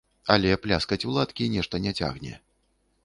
Але пляскаць у ладкі нешта не цягне.